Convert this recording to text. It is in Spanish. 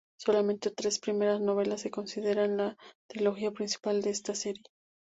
Solamente las tres primeras novelas se consideran la trilogía principal de la serie.